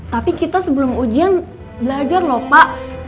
tapi kita sebelum ujian belajar lho pak